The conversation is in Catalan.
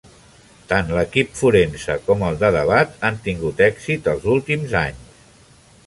Tant l'equip forense com el de debat han tingut èxit els últims anys.